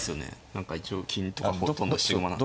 何か一応金とかもほとんど詰まない。